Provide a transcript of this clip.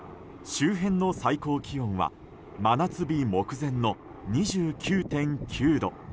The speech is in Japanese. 周辺の最高気温は真夏日目前の２９．９度。